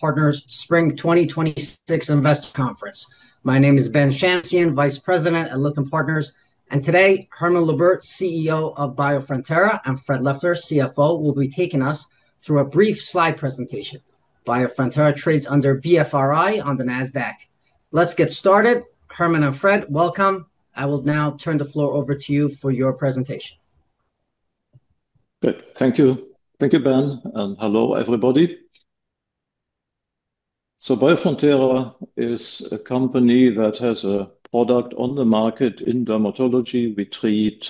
Partners Spring 2026 investor conference. My name is Ben Shamsian, Vice President at Lytham Partners. And today, Hermann Luebbert, CEO of Biofrontera, and Fred Leffler, CFO, will be taking us through a brief slide presentation. Biofrontera trades under BFRI on the NASDAQ. Let's get started. Hermann and Fred, welcome. I will now turn the floor over to you for your presentation. Good. Thank you. Thank you, Ben, and hello, everybody. Biofrontera is a company that has a product on the market in dermatology. We treat,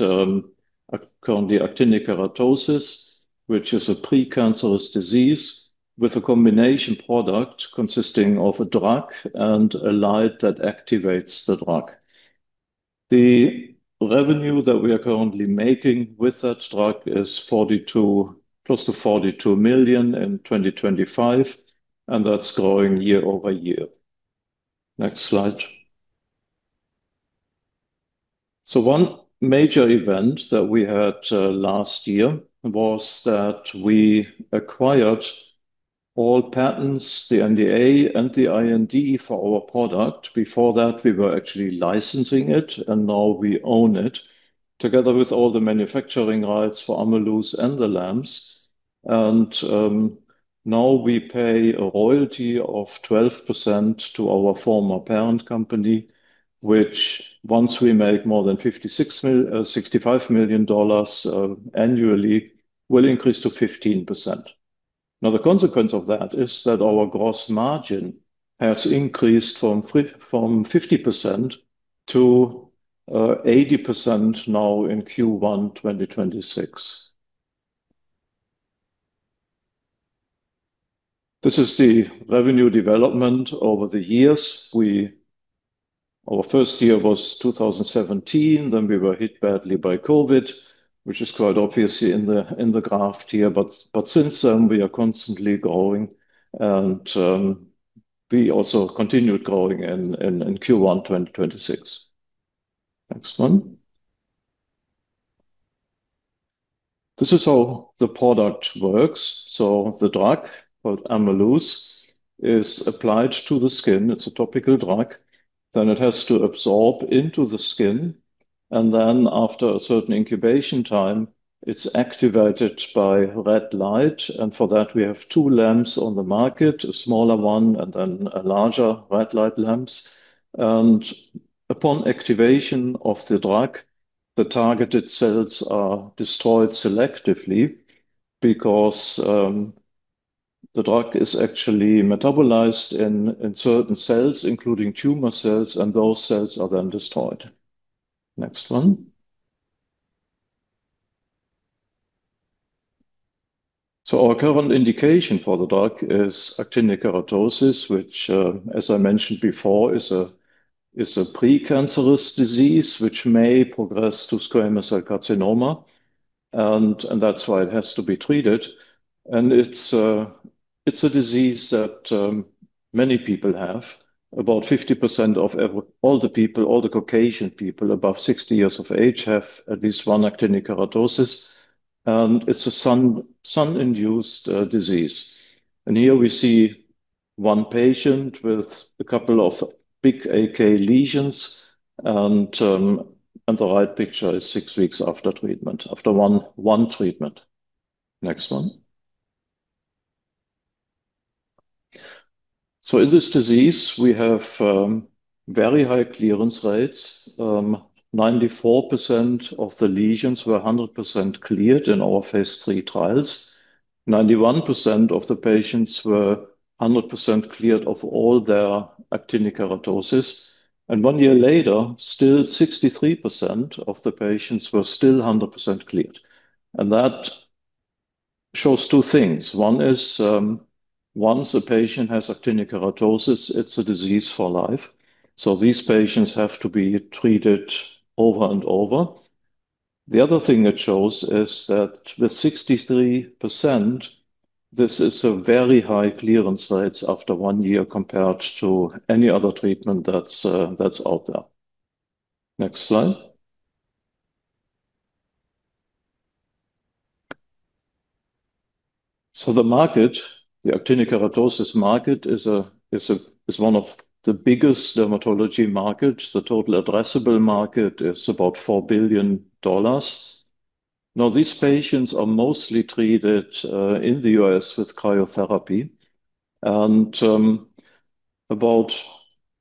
currently actinic keratosis, which is a precancerous disease, with a combination product consisting of a drug and a light that activates the drug. The revenue that we are currently making with that drug is close to $42 million in 2025, and that's growing year-over-year. Next slide. One major event that we had last year was that we acquired all patents, the NDA, and the IND for our product. Before that, we were actually licensing it, and now we own it, together with all the manufacturing rights for AMELUZ and the lamps. Now we pay a royalty of 12% to our former parent company, which once we make more than $65 million annually, will increase to 15%. The consequence of that is that our gross margin has increased from 50%-80% in Q1 2026. This is the revenue development over the years. Our first year was 2017, then we were hit badly by COVID, which is quite obviously in the graph here. Since then, we are constantly growing, and we also continued growing in Q1 2026. Next one. This is how the product works. The drug, called AMELUZ, is applied to the skin. It's a topical drug. It has to absorb into the skin, and then after a certain incubation time, it's activated by red light, and for that, we have two lamps on the market, a smaller one and then a larger red light lamps. Upon activation of the drug, the targeted cells are destroyed selectively because the drug is actually metabolized in certain cells, including tumor cells, and those cells are then destroyed. Next one. Our current indication for the drug is actinic keratosis, which, as I mentioned before, is a precancerous disease which may progress to squamous cell carcinoma, and that's why it has to be treated. It's a disease that many people have. About 50% of all the Caucasian people above 60 years of age have at least one actinic keratosis, and it's a sun-induced disease. Here we see one patient with a couple of big AK lesions, and the right picture is six weeks after one treatment. Next one. In this disease, we have very high clearance rates. 94% of the lesions were 100% cleared in our phase III trials. 91% of the patients were 100% cleared of all their actinic keratosis. One year later, still 63% of the patients were still 100% cleared. That shows two things. One is, once a patient has actinic keratosis, it's a disease for life. These patients have to be treated over and over. The other thing it shows is that with 63%, this is a very high clearance rates after one year compared to any other treatment that's out there. Next slide. The market, the actinic keratosis market is one of the biggest dermatology markets. The total addressable market is about $4 billion. These patients are mostly treated in the U.S. with cryotherapy.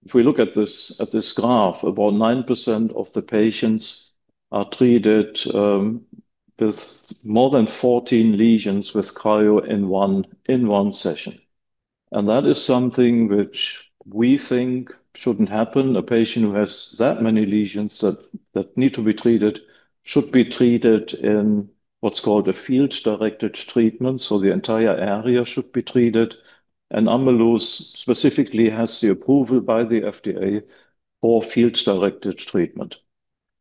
If we look at this graph, about 9% of the patients are treated with more than 14 lesions with cryo in one session. That is something which we think shouldn't happen. A patient who has that many lesions that need to be treated should be treated in what's called a field-directed treatment. The entire area should be treated. AMELUZ specifically has the approval by the FDA for field-directed treatment.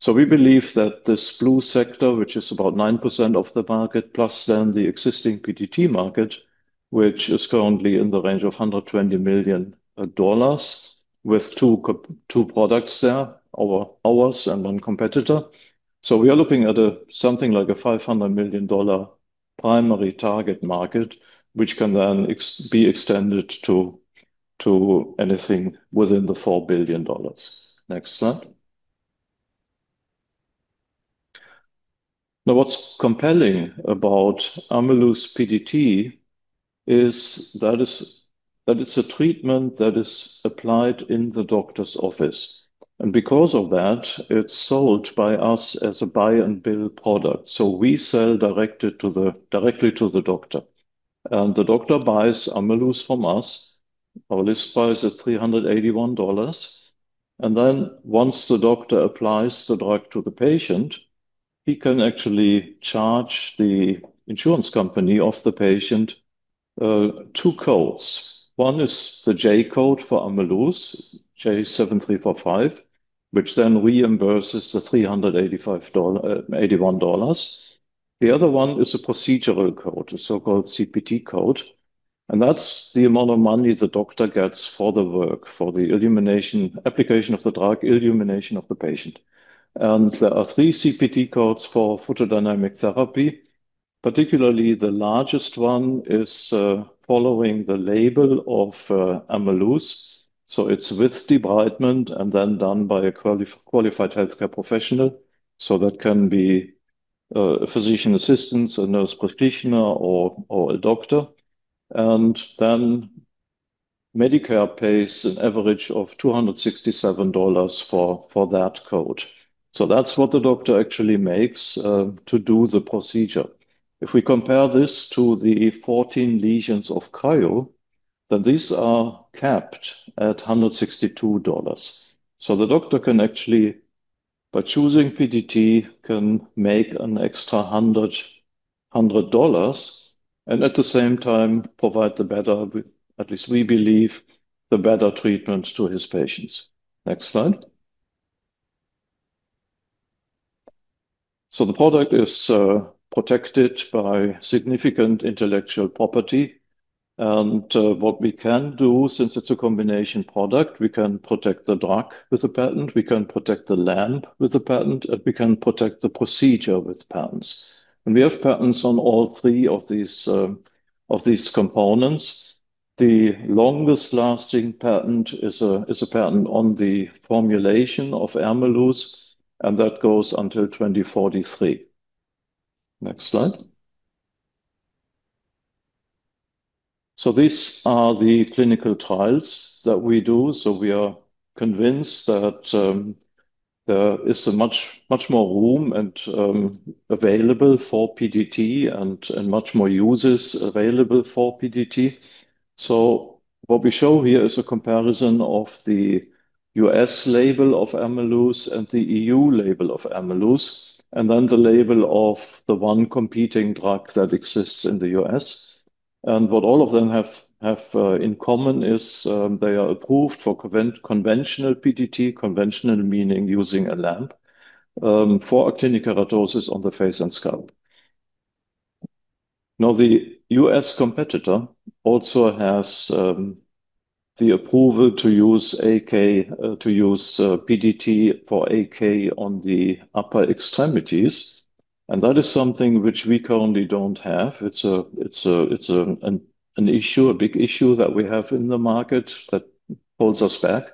We believe that this blue sector, which is about 9% of the market, plus then the existing PDT market, which is currently in the range of $120 million with two products there, ours and one competitor. We are looking at something like a $500 million primary target market, which can then be extended to anything within the $4 billion. Next slide. What's compelling about AMELUZ PDT is that it's a treatment that is applied in the doctor's office. Because of that, it's sold by us as a buy and bill product. We sell directly to the doctor. The doctor buys AMELUZ from us. Our list price is $381. Once the doctor applies the drug to the patient, he can actually charge the insurance company of the patient two codes. One is the J code for AMELUZ, J7345, which then reimburses the $381. The other one is a procedural code, a so-called CPT code, that's the amount of money the doctor gets for the work, for the application of the drug, illumination of the patient. There are three CPT codes for photodynamic therapy, particularly the largest one is following the label of AMELUZ. It's with debridement and then done by a qualified healthcare professional. That can be a physician assistant, a nurse practitioner, or a doctor. Medicare pays an average of $267 for that code. That's what the doctor actually makes to do the procedure. If we compare this to the 14 lesions of cryo, these are capped at $162. The doctor can actually, by choosing PDT, can make an extra $100 and at the same time, provide, at least we believe, the better treatment to his patients. Next slide. The product is protected by significant intellectual property. What we can do, since it's a combination product, we can protect the drug with a patent, we can protect the lamp with a patent, and we can protect the procedure with patents. We have patents on all three of these components. The longest-lasting patent is a patent on the formulation of AMELUZ, and that goes until 2043. Next slide. These are the clinical trials that we do. We are convinced that there is much more room available for PDT and much more users available for PDT. What we show here is a comparison of the U.S. label of AMELUZ and the EU label of AMELUZ, and then the label of the one competing drug that exists in the U.S. What all of them have in common is they are approved for conventional PDT, conventional meaning using a lamp, for actinic keratosis on the face and scalp. The U.S. competitor also has the approval to use PDT for AK on the upper extremities, and that is something which we currently don't have. It's a big issue that we have in the market that holds us back.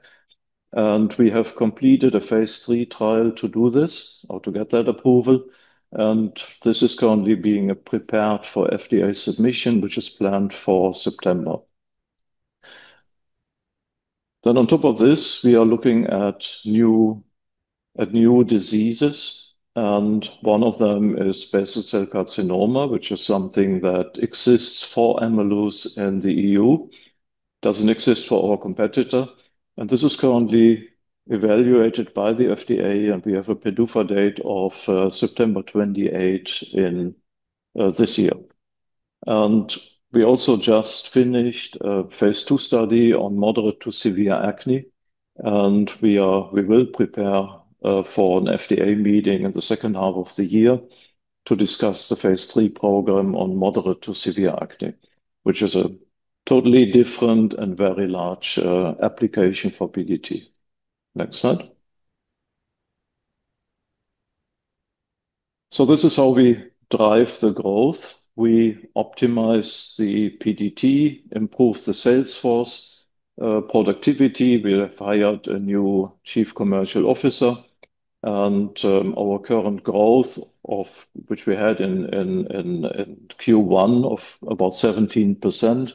We have completed a phase III trial to do this or to get that approval, and this is currently being prepared for FDA submission, which is planned for September. On top of this, we are looking at new diseases, and one of them is basal cell carcinoma, which is something that exists for AMELUZ in the EU, doesn't exist for our competitor. This is currently evaluated by the FDA, and we have a PDUFA date of September 28 in this year. We also just finished a phase II study on moderate to severe acne. We will prepare for an FDA meeting in the second half of the year to discuss the phase III program on moderate to severe acne, which is a totally different and very large application for PDT. Next slide. This is how we drive the growth. We optimize the PDT, improve the sales force productivity. We have hired a new chief commercial officer, our current growth, which we had in Q1 of about 17%,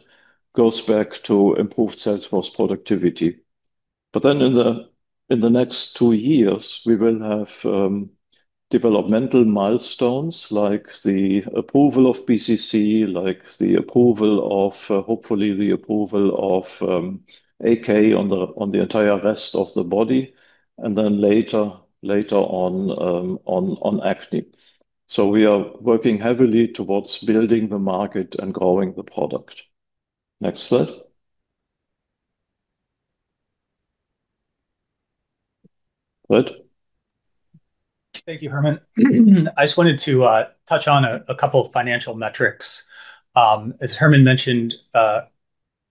goes back to improved sales force productivity. In the next two years, we will have developmental milestones like the approval of BCC, like hopefully the approval of AK on the entire rest of the body, later on acne. We are working heavily towards building the market and growing the product. Next slide. Good. Thank you, Hermann. I just wanted to touch on a couple of financial metrics. As Hermann mentioned, A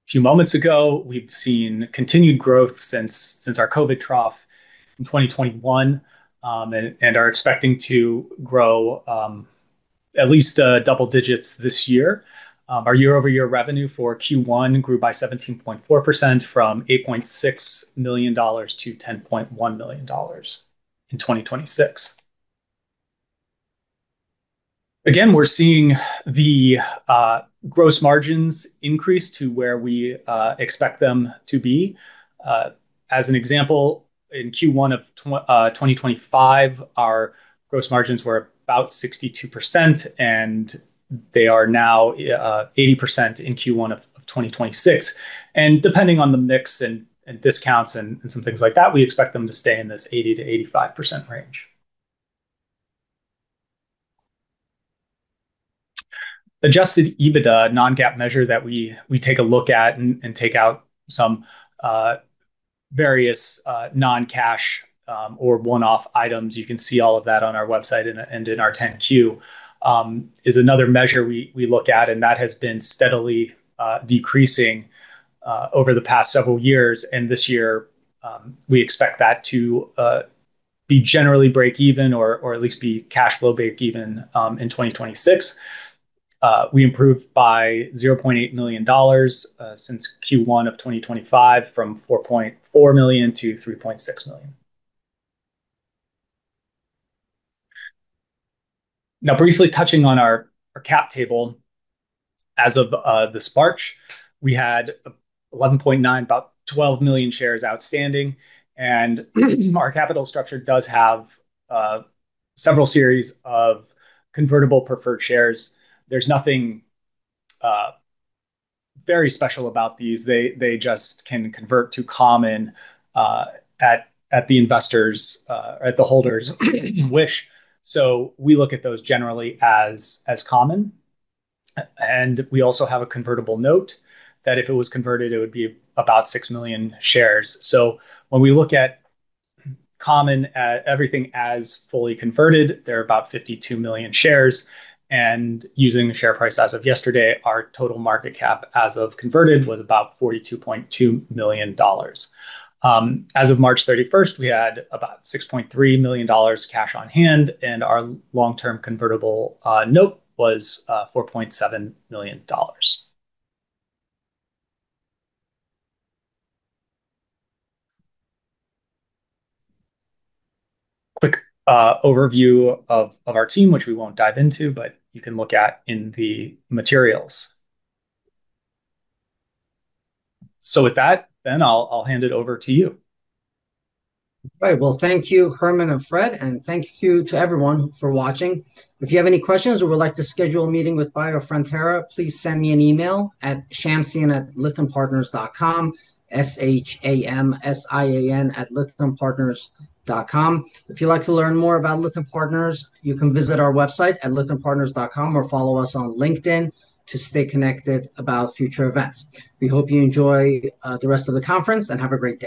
few moments ago, we've seen continued growth since our COVID trough in 2021, and are expecting to grow at least double digits this year. Our year-over-year revenue for Q1 grew by 17.4%, from $8.6 million-$10.1 million in 2026. Again, we're seeing the gross margins increase to where we expect them to be. As an example, in Q1 of 2025, our gross margins were about 62%, and they are now 80% in Q1 of 2026. Depending on the mix and discounts and some things like that, we expect them to stay in this 80%-85% range. Adjusted EBITDA, a non-GAAP measure that we take a look at and take out some various non-cash or one-off items, you can see all of that on our website and in our 10-Q, is another measure we look at. That has been steadily decreasing over the past several years. This year, we expect that to be generally break even or at least be cash flow break even in 2026. We improved by $0.8 million since Q1 2025, from $4.4 million-$3.6 million. Now, briefly touching on our cap table. As of this March, we had 11.9, about 12 million shares outstanding. Our capital structure does have several series of convertible preferred shares. There's nothing very special about these. They just can convert to common at the investors', at the holders' wish. We look at those generally as common. We also have a convertible note that if it was converted, it would be about 6 million shares. When we look at common, everything as fully converted, there are about 52 million shares, and using the share price as of yesterday, our total market cap as of converted was about $42.2 million. As of March 31st, we had about $6.3 million cash on hand, and our long-term convertible note was $4.7 million. Quick overview of our team, which we won't dive into, but you can look at in the materials. With that, Ben, I'll hand it over to you. Right. Well, thank you, Hermann and Fred, and thank you to everyone for watching. If you have any questions or would like to schedule a meeting with Biofrontera, please send me an email at shamsian@lythampartners.com. S-H-A-M-S-I-A-N at lythampartners.com. If you'd like to learn more about Lytham Partners, you can visit our website at lythampartners.com or follow us on LinkedIn to stay connected about future events. We hope you enjoy the rest of the conference, and have a great day.